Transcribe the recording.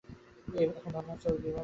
এখন ভাবনার কথা হচ্ছে ওর বিবাহ দেওয়া নিয়ে।